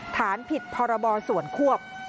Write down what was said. ฐานผิดพรบส่วนควบ